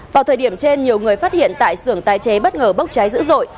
vào thời điểm trên nhiều người phát hiện tại sưởng tái chế bất ngờ bốc cháy dữ dội